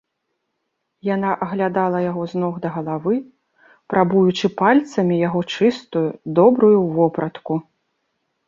Яна аглядала яго з ног да галавы, прабуючы пальцамі яго чыстую, добрую вопратку.